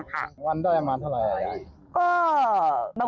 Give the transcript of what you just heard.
๒๐ค่ะ